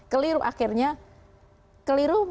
keliru akhirnya keliru